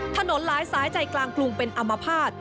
ถนนหลายสายใจกลางกรุงเป็นอมภาษณ์